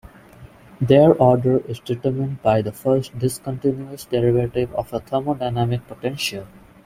Their order is determined by the first discontinuous derivative of a thermodynamic potential.